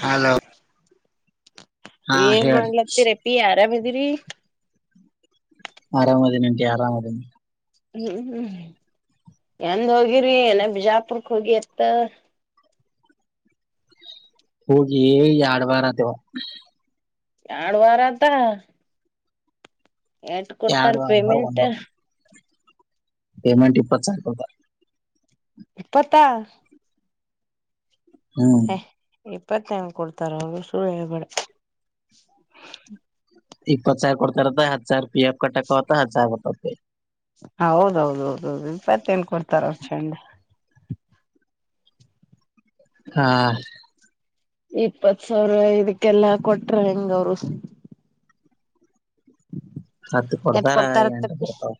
Hello ಹಾ ಏನ್ ಹೇಳ್ರಿ ಮಾಡ್ಲಾತಿ [unintelligible] ಆರಾಮಿದಿರಿ. ಆರಾಮ ಅದಿನಿ ಅಂಟಿ ಆರಾಮ ಆದಿನಿ. ಹ್ಮ್ ಹ್ಮ್ ಎಂದ ಹೋಗಿರಿ ಏನ ಬಿಜಾಪುರಕ್ ಹೋಗಿ ಅತ್ತ. ಹೋಗಿ ಎರಡ್ ವಾರ ಆತೆವ್ವಾ. [unintelligible] ವಾರ್ ಆತಾ. [unintelligible] ಕೊಡ್ತಾರ ಎರಡ್ ವಾರ ಅಂದ್ರ ಪೇಮೆಂಟ್. ಒಂದ್ ಪೇಮೆಂಟ್ ಇಪ್ಪತ್ತು ಸಾವಿರ ಕೂಡತಾರ್. ಇಪ್ಪತ್ತಾ. ಹ್ಮ್ ಹೇ ಇಪ್ಪತೆ [unintelligible] ಕೊಡ್ತಾರ [unintelligible] ಸುಳ್ಳಹೇಳ್ಬೇಡ. ಇಪ್ಪತ್ ಸಾವಿರ್ ಕೊಡ್ತಾರತ್ತ ಹತ್ತ ಸಾವಿರ ಪೀ [unintelligible] ಹತ್ತ ಸಾವಿರ ಬರ್ತಾವ್. ಹೌದೌದ ಹೌದೌದು ಇಪ್ಪತ್ತೇನ್ ಕೊಡ್ತಾರ ಅವ್ರ ಚಂಡ. ಹಾ ಇಪ್ಪತ್ ಸಾವಿರ ಇದಕ್ಕೆಲ್ಲಾ ಕೊಟ್ರ ಹೆಂಗ ಅವರು. ಹತ್ತು ಎಟ್ ಕೊಡ್ತಾರ ಎಂಟ ಬರ್ತಾವು.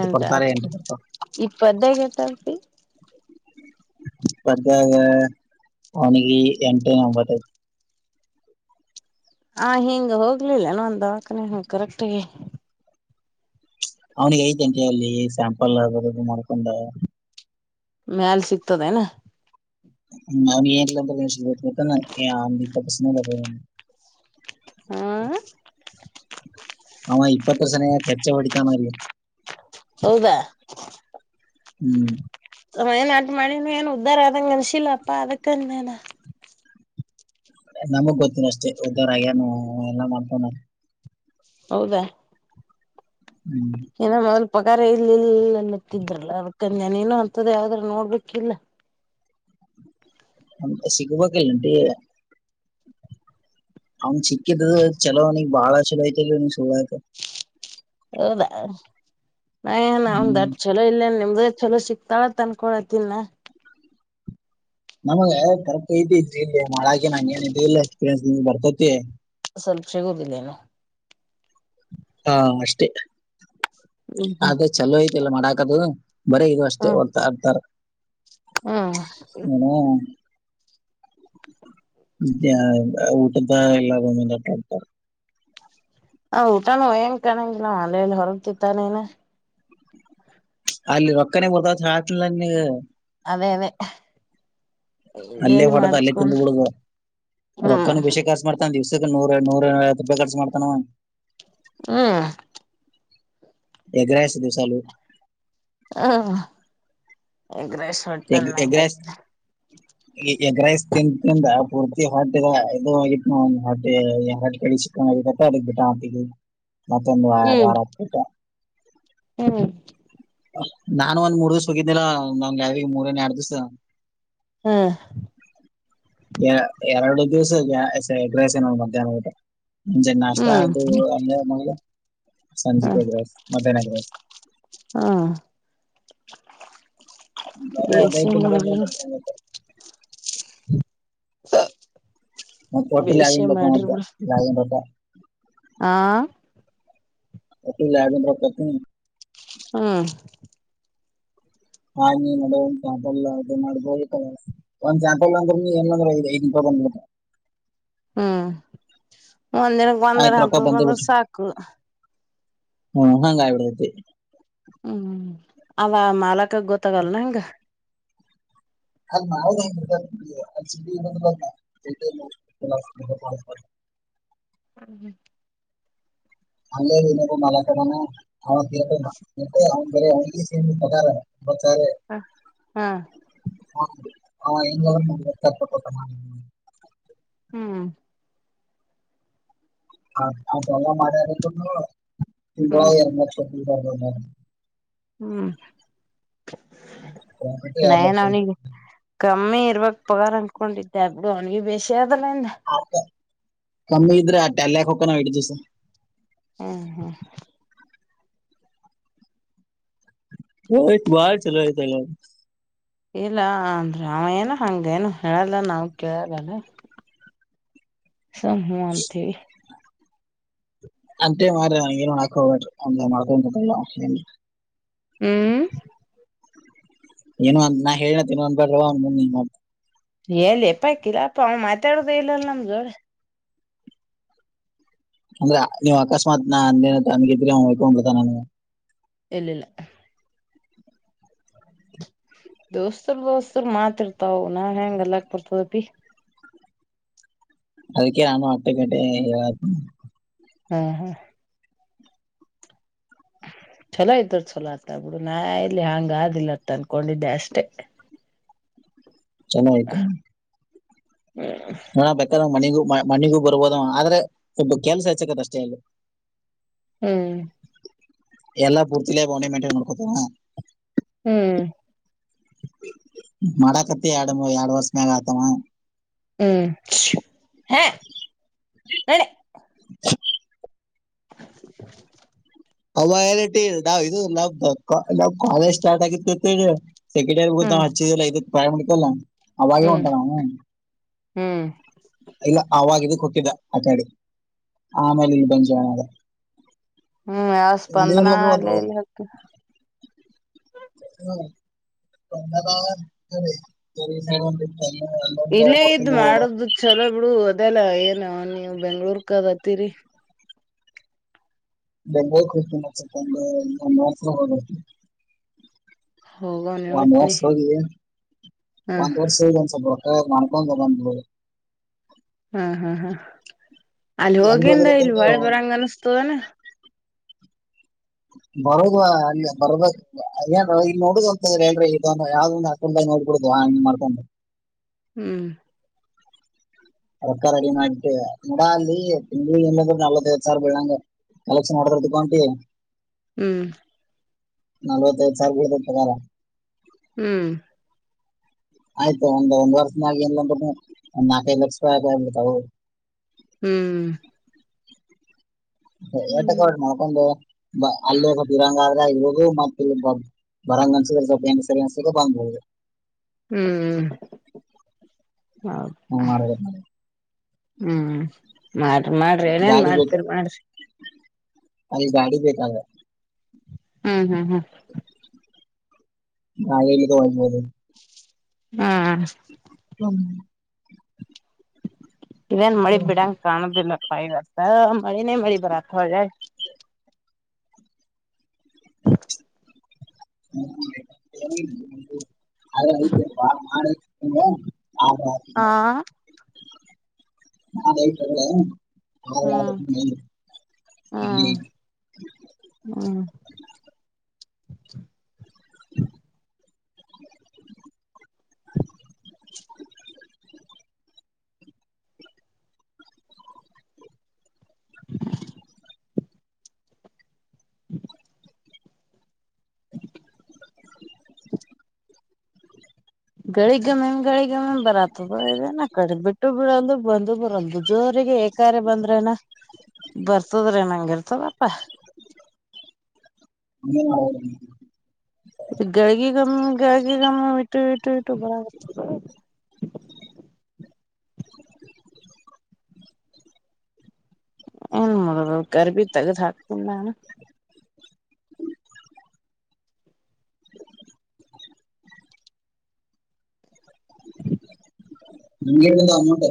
ಎಂಟಾ ಬರ್ತಾವ [unintelligible] ಪದ್ಯಾಗ [unintelligible] ಆದ ಅಪಿ. ಪಾದ್ಯಾಗ ಅವನಿಗಿ ಎಂಟ್ ಏನ್ ಬರತ್ತೈ ಐತಿ. ಆವಾ ಹಿಂಗ ಹೋಗ್ಲಿಲ್ಲ ಅನೊ ಒಂದ ದವಾಕನೀಗಿ ಹಿಂಗ್ ಕರೆಕ್ಟಾಗಿ. ಅವನಿಗೆ ಐತಿಹಂಗೆ ಅಲ್ಲಿ ಸ್ಯಾಂಪಲ್ ಬರುದು ಮಾಡ್ಕೊಂಡ. ಮ್ಯಾಲ್ ಸಿಗ್ತದ ಏನಾ? [unintelligible] ಹಾಂ ಅವ ಇಪ್ಪತ್ತು ಸನೆ ಯಾಕ ಹೆಚ್ಚೆ ಹೊಡಿತಾನಲ್ಲಿ. ಹೌದಾ ಹ್ಮ್ ಅವ ಏನ್ ಅಟ್ ಮಾಡಿನು ಏನು ಉದ್ದಾರ ಆದದಂಗ ಅನ್ಸಿಲ್ಲಪ್ಪಾ ಅದಕ್ಕಂದೇನ. ನಮಗ್ ಗೊತ್ತದ ಅಷ್ಟೇ ಉದರಾಗ್ಯನು ಎಲ್ಲ ಮಾಡ್ಕೊಂಡಾನೋ ಹೌದಾ ಹ್ಮ್ ಏನ್ನ ಮೊದಲ ಪಗಾರ ಇಲ್ಲ ಇಲ್ಲ ಅಂತಿದ್ರಲ್ಲ ಅದಕ್ಕ ಅಜ್ಞೆ ನೀನು ಹಂತದೆ ಯವಾದರೆ ನೋಡ್ಬೇಕಿಲ್ಲ. ನ ಸಿಗ್ಬೇಕಲ್ಲಂಟೀ ಅವನ್ ಚಿಕ್ಕಿದು ಚಲೋ ನೀಗ್ ಬಾಳ ಚಲೋ ಐತಿ ಇಲ್ ನೀ [unintelligible] ಹೌದಾ ನಾ ನಾ ಹ್ಮ್ ದಡ್ ಚಲೋ ಇಲ್ಲೇನೆ ಅ್ರ ಚಲೋ ಸಿಕ್ತಾಳತ್ ಅನ್ಕೊಳತಿನ್ ನಮಗ ಕರ್ಕ್ ಐತಿ ಇದ ಇಲ್ಲಿ ಮಾಡಳ ಹಾಗೆ ನಾನ್ ಏನೈತೆ ಇಲ್ಲ ಎಕ್ಸ್ಪೀರಿಯನ್ಸ್ ನಿಮ್ ಬರ್ತೈತಿ [unintelligible] ಸ್ವಲ್ಪ ಸಿಗೋದಿಲ್ಲೇನು ಹಾ ಅಷ್ಟೇ ಹ್ಮ್ ಹ್ಮ್ ಅದೇ ಚಲೋ ಐತಿಲ್ಲ ಮಾಡಾಕದು ಬರೇ ಇದು ಅಷ್ಟೇ ಹೊಡ್ತಾ ಆಡ್ತಾರ ಹ್ಮ ಏನೋ ಊಟದ ಎಲ್ಲೂಮ ನಟ ಹ ಊಟಾನೂಯಂಗ ಕಾಣಂಗಿಲ್ಲ ಅಲೆಯಲ್ಲಿ ಹೊರಗ್ತಿತ್ತಾನೇನ ಅಲ್ಲಿ ರೊಕ್ಕನೆೇ [unintelligible] ಹಾತ ನೀ ಅದೆ ಅದೆ ಅಲ್ಲೇ ಹೊಡೆದ ಅಲ್ಲೇ ತಿಂದು ಬಿುಳಗ ಹ್ಮ್ ರೊಕ್ಕನ ಬೇಷ ಕಾರ್ಸ ಮಾಡ್ತಾ ದಿವ್ಸ ನೂರ ನೂರವ ರೂಪಾಯಿ ಖರ್ಚು ಮಾಡ್ತಾನ ಅವ ಹ್ಮ್ ಎಗ್ರಾಯ ಸ್ದು ಚಾಲು ಹ್ಮ [unintelligible] ಎಗ್ರಾಯಸ್ ತಿಂ ದಿಂದ ಪೂರ್ತಿ ಹೊಟಿದ ಇದು ಆಗಿತ್ತು ನಡ್ ಕಡೆ ಸಿಕ್ಕಗತ್ತ ಅ ಬಿಟಾಕಿದ್ದೀನಿ ಹ್ಮ್ ಮತ್ತೆಂದುಗಾರಟ ಹ್ಮ್ ನಾನನ್ ಒಂದ್ ಮೂರ್ ದಿವ್ಸ ಹೋಗಿದ್ದಿಲ್ಲ ನಮ್ಗೆ ಯಾವ ಮೂರನ್ ಎರಡ್ ದಿವ್ಸ ಹಾ ಎ ಎರಡು ದಿವ್ಸ ಎಗ್ರಸ ನೋ ಮಧ್ಯಾಹ್ನ ಊಟ ಮುಜೆ ನಾಷ್ಟ ಹ್ಮ್ ಅದು ಅ ಸಂಜಿಕ್ ಎಗ್ರಸ್ ಮದ್ಯಾಹ್ನ ಎಗ್ರಸ್ ಹ್ಮ್ [inaudible] ಅ ಅದ ಬೇಸೆ ಮಾಡಿ ಹ [inaudible] ಮತ್ತೆ ಕೊಟ್ಟಿಲ್ಲ ಗತ್ತ [unintelligible] ಹಾ [unintelligible] ಹ್ಮ ಹ ಮದ ಉಂತ ಅದೆಲ್ಲ ಅದು ಮಾಡಬೋದು ಕಲ್ಲ. ಒಂದ್ ಸ್ಯಾಂಪಲ್ ಅಂದ್ರ ನೀ ಎಲ್ಲಂದ್ರ ಇ ಐದು ಬಂದ ಹ್ಮ್ ಒಂದಂದಿನಕ್ಕೆ ಬಂದಾರ ಆಯ್ತ್ ಹಂತ ಬಂದ್ರ ಸಾಕು ಹ್ಮ ಹಾಂಗ ಇವ ಹ್ಮ್ ಅವ ಮಾಲಕಗ್ ಗೊತ್ತಾಗಲ್ನ ಹಂಗ ಅಲ್ಲ ನ ಅ [unintelligible] ಹ್ಮ ಹ್ಮ್ [inaudible] ಅ ಇ ಮಲಕ ಮಾನ ಬೆ ಕ ಬ ಹ ಹಾ ಹ ಹ ಎಂಗ ನ ಕೊತ ಹ್ಮ್ ಹ ಹ ಮಾಡೊ ಹ್ಮ್ ಹ್ಮ್ ಆ [inaudible] ಮಮ್ಮಿ ಇರ್ವಾಗ ಪಗಾರ್ ಅನ್ಕೊಂಡಿದ್ದೆ ಅಬ್ಡು ಅವನಗಿ ಬೇಸಿ ಅದಲ್ಲ ಇಂದ ಕಮ್ಮಿ ಇದ್ರೆ ಅಟೆ ಅಲ್ಲೇ ಹಕ್ಕನ ಆೇಡ್ತಿವಸ ಹ್ಮ ಹಾ ಹ ಬಾರ ಚಲುವತಲ್ಲ ಇಲ್ಲ ಅಂದ್ರ ಆಮ ಏನ ಹಂಗೇನು ಹೇಳಲ್ಲ ನಾವ್ ಕೇಳಲ್ಲಲ್ಲ ಸಂವಂತವಿ ಅಂತೇ ಮಾರ್ರ ನಗೆ ಹಕಬ ಒ ಮಾಡ್ಕೊಲ್ಲ ಹ್ಮ್ ಏನು ಒಂದ್ ನಾನ್ ಹೇಳನತಂದ ಬ್ರಲ್ವ ಒಂದ್ಂದ ಎಲ್ಲಿ ಎಪ್ಪ ಆಕಿಲ್ಲ ಅಪ್ಪ ಅವ್ ಮಾತಾಡುದ ಇಲ್ಲಲ್ಲ ನಮ್ ಜೋಳ ಅಂದ್ರೆ ನೀವು ಅಕಸ್ಮಾತ್ ನ ಅಂದೇನ ಅನ್ಗಿದ್ರಿಸ ನ ಇಲ್ಲಲ್ಲ ದೋಸ್ತರ್ ದೋಸ್ತರ್ ಮಾತ್ ಇರ್ತಾವ್ ನಾನ್ ಹೆಂಗ ಅಲ್ಲಾಕ್ ಬರ್ತದಪಿ ಅದಕ್ಕೆ ನಾನು ಅಟ್ಟೆಗಡೆ ಹೇಳತ ಹಾ ಹಾ ಹ ಚಛಲೋ ಇದರು ಛಲೋ ಆತ ಆಗ್ಬಿಡು ನಾ ಇಲ್ಲಿ ಹಂಗ ಆದಿಲ್ಲತ್ತ ಅನ್ಕೊಂಡಿದ್ದೆ ಅಷ್ಟೇ ಚೆನ್ನಾಗತ ಹಣ ಬೇಕಾದ ಮನಿಗೂ ಮನಿಗೂ ಬರ್ಬೋದ ಆದ್ರೆ ಕೆಲ್ಸ ಹೆಚ್ಚಕತ್ ಅಷ್ಟೇ ಅಲ್ಲಿ ಹ್ಮ್ ಎಲ್ಲಾ ಪೂರ್ತಿಲ್ಲೇ ಬೆ ಮೈಂಟೈನ್ ಮಾಡ್ಕೊತ ಹ್ಮ್ ಮಡ ಕತ್ತ ಇಡು ಎರಡು ವರ್ಷಮಗತವಾ ಹ್ಮ್ ಹ ನಾನೆ ಹ್ಮ್ ಅವ ಎಟಾವ್ ಇದು ನಾವ್ ನಾವ್ ಕಾಲೇಜ್ ಸ್ಟಾರ್ಟ್ ಆಗಿತ್ತು ಗೊತ್ತೇಳಿ ಸೆಕೆಂಡ್ ಇಯರ್ ಗತ್ತ ಹ್ಮ್ ಹಚ್ಚಿದಲ್ಲ ಇ ಪಾರಾಮೆಡಿಕಲ್ ಅವಾಗೇ ಹ್ಮ್ ಉಂಟಾನ ಹ್ಮ್ ಇಲ್ಲ ಆಗ ಇದಕ್ ಹಟ್ಟಿದ್ದ ಆ ಕಾಡಿ ಆಮೇಲೆ ಬಂಜ ಹ್ಮ್ ಆವ ಸ್ಪಂದನ ಅಲ್ಲಲ್ಲತ್ತು ಹ ಅ ಇಲ್ಲೇ ಇದ್ ಮಾಡುದು ಚಲೋ ಬಿಡು ಅ ಇದೆಲ್ಲ ಏನ ನೀವು ಬೆಂಗ್ಳೂರ್ ಕದತ್ತೀರಿ ಬೆಂಗಳ ಕತತ್ರ ಹೋಗೋನಿ ಒಂದ್ ಒಟ್ನಿ ವರ್ಷ ಹೋಗಿ ಒಂದ್ ವರ್ಷ ಹ ಒಂದ ಸ್ವಲ್ಪ ಹ ಮಾಡಾರ್ಕೊಂಡ ದ ಹ್ಮ್ ಹಾ ಹಾ ಅಲ್ಲಿ ಹೆಂಗ್ ಹೋಗಿಂದ ಇಲ್ ಬರೋದಂದ್ರೆ ಒಾಳೆ ಬರಂಗ ಅನಸ್ತದನ ಬರೋದವಾ ಅಲ್ಲ ಬರಬೇಕ ಏನ್ ಇಲ್ಲಿ ನೋಡುದ ಅಂತಂದ್ರ ಹೇಳಲ್ ಇದ ಯಾವ್ದೊಂದು ಅ ನೋಬಡುದು ಹಂಗ ಮಾಡ್ಕೊಂಡು ಹ್ಮ್ ಅರ್ಕಾರ ರೆಡಿ ಮಾಡ ನೋಡಾ ಅಲ್ಲಿ ತಿಂಗಳಿ ಏನಾದ್ರರು ನಲ್ವತ್ಐದ್ ಸಾವಿ ಬೆಳಂಗ ಕಲೆಕ್ಷನ್ ಮಾಡಡದಕ್ಕಂಟಿ ಹ್ಮ್ ನಲ್ವತ್ತೈಐದು ಸಾರಕುತ್ತುಕಾರ ಹ್ಮ್ ಆಯ್ತು ಒಂದ್ ಒಂದ್ ವರ್ಷನಾಗ ಇನ್ಂದ ಒಂದ ನಾಲ್ಕೈದು ಲಕ್ಷ ರೂಪಾಯಿ ಆಗರ್ಬದು ಹ್ಮ್ ಹ್ಮ್ ಟ ಮಾಡ್ಕೊಂಡು ಬ ಅಲ್ಲೇ ಬೀರಂಗ ಇದು ಮತ್ತ ಬರಂಗ ಅನ್ಸುದ್ರೆ ಸ್ವಲ್ಪ ಹೆಂಗ ಸರಿ ಅನ್ಸ ಬಂದ್ಬಹುದು ಹ್ಮ್ ಹೌ ಹಂಗ್ ಮಾಡ್ಬೇಕು ಹ್ಮ್ ಮಾಡ್ರಿ ಮಾಡ್ರಿ ಏನೇನ್ ಗಾಡಿ ಬೇಕು ಮಾಡ್ತೀರಿ ಮಾಡ್ರಿ ಅಲ್ಲಿ ಗಾಡಿ ಬೇಕಾಗ ಹ್ಮ್ ಹ್ಮ್ ಹ್ಮ್ ನ ಒ [unintelligible] ಹ್ಮ್ ಹ್ಮ ಇನ್ ಮಳಿ ಬಿಡಾಂಗ ಕಾಣುದಿಲ್ಲ ವರ್ಸ ಮಳಿನೇ ಮಳಿ ಬರತ್ ಒ ಅ ರ ಮಾಡ ಹದ ಆ ಅದಲ್ಲ ಹೌ ಹಾ ಹ್ಮ್ [inaudible] [inaudible] ಹ್ಮ್ ಹ ಗಗಳಿ ಗಮಿಮ ಗಗಳಿ ಗಮಿ ಬರತ್ತ ಬ ನ ಕಡೆ ಬಿಟ್ಟು ಬಿಡಲ್ದು ಬಂದು ಬರಲ್ದು ಜೋರ ರಿಗೆ ಏಕಾರೆ ಬಂದ್ರೇನ ಬರ್ತದ್ರೆ ನಂಗ ಇರ್ತದಪ್ಪಾ [inaudible] ಹ್ಮೌ ಗಗ ಗಮ್ಮ ಗ ಗಮ್ಮ ಬಿಟ್ಟ ಎಟ್ಟ ಇಟ್ಟಟ್ಟುಬ್ಬರ [inaudible] ಏನ್ ಮಾಡಡ ಗರ್ಬಿ ತಗದ್ ಹಾಕ್ತಿನ್ ನಾನು ಅಂಗಗೆಲ್ಲ ಅಂಗೋಟ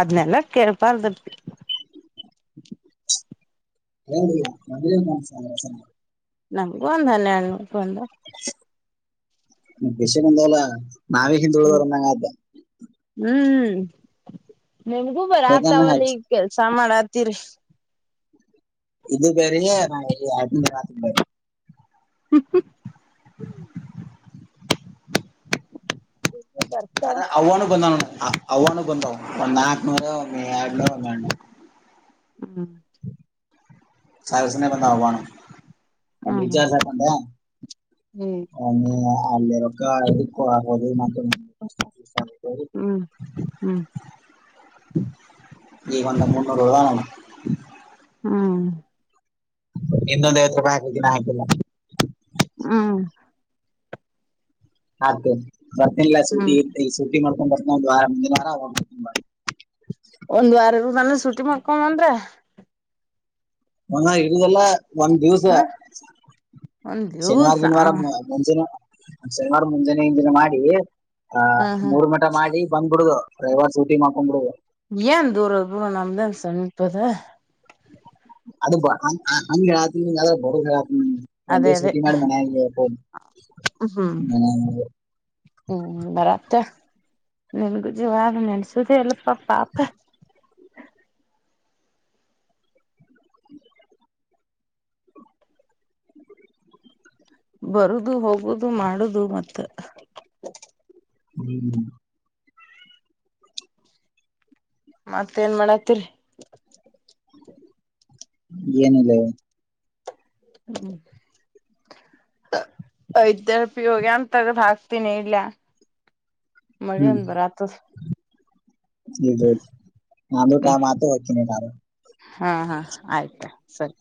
ಅದನ್ನೆಲ್ಲ ಕೆೇಪಾ ತಿ ಹ ಮದ ನಸ ನಮ್ಗು ಒಂದ ಹನ್ಯಗ ಒಂದ ವಿಷನ್ಂದಲ್ಲ ನಾವೇ ಹಿಂದ ಉಳ್ದ್ ನಂಗ ಅ ಹ್ಮ್ ನಿಮ್ಗೂ ಬರ ಆತ ಯಾಕಂದ್ರೆ ಅವಲ್ಲ ಹಚ್ ಈ ಕೆಲ್ಸ ಮಾಡತೀರಿ ಇದು ಬರ ನಾ ಎಲ್ಲಿತ್ ಬ ಹ್ಮ ಬರ್ತಾವ ಅದ ಅವವ ನ ಬಂದು ಅವನು ಬಂದ ಒಂದ್ ನಾಕ್ನೂರ ಒ ಎರಡ್ನೂರ ಒ ಹ್ಮ್ ಸಾರಸೆ ಬಂಂದ ಆಣ ಹ್ಮ್ ಬಜಾ ಸ ಮಾಡ ಹ್ಮ್ ಅ ಕ್ಕ ಆದ ಹ್ಮ್ ಹ್ಮ್ ನೀ ಒಂದ ಮುನ್ನೂರು ರೂ ನ ಹ್ಮ್ ಇನ್ನೊಂದ ಐವತ್ತು ರೂಪಿ ಹಾಕಗಿನ ಹಾಕಿಲ್ಲ ಹಾ ಆ ಬರ್ತಿಲ್ಲ ಸೂಟಿ ಹ್ಮ್ ಇ ಸೂಟಿ [unintelligible] ಒಂದ್ ವಾರರು ನಾನನ್ ಸುಟಿ ಮಾಡಕೊಂಡ ಅಂದ್ರ ಮನ ಇಡುದಲ್ಲ ಒಂದ್ ದಿವ್ಸ ಹ ಒಂದ್ ಶನಿವಾರ ದಿವ್ಸ ಗಿನವಾರ ಹಾ ಮುಂಜೆ ಶನಿವಾರ ಮುಂಜಾನೆ ಹಂಜಿನ ಮಾಡಿ ಆ ಹಾ ಮೂರ್ ಮಂಟ ಮಾಡಿ ಬಂದ್ ಬಿಡು ರೈವಾರ ಸಟಿ ಮಾಡ್ಕೊಂಡ್ ಬಿಡುದು ಏನ್ ದೂರ ದೂರ ನಾಮ್ದಾ ಸಮ್ಮಿಪದ ಅದು ಹಂಗ ಹೇಳಾ ಬ ಹೇಳ ಹ್ಮ್ ಒಂದ ಅದೇ ದಿವಸ ಅದೇ ಡ್ಯೂಟಿ ಮಾಡ ಮನ ಹ್ಮ್ ಹ್ಮ್ ಬರತ ನಿನ್ಗೂ ಜವಾರ ನೆನ್ಸುದ ಎಲ್ಲಪ್ಪಾ ಪಾಪ ಬರುದು ಹೋಗುದು ಮಾಡುದು ಮತ್ತ ಹ್ಮ್ ಮತ್ತೇಏನ್ ಮಾಡತ್ತೀರಿ ಏನು ಇಲ್ಲ ಹ್ಮ್ ಇರ್ಪೋಗನ್ಂತರ ಭಕ್ತನ ಇಲ್ಲ ಹ್ಮ್ ಮಿಂದ ಬರ ಆತ ಇದು ಆದು ಹ್ಮ್ ಕಾಮ ಆತ ಹತ ಸಾರು ಹಾ ಹಾ ಆಯ್ತ ಸರಿ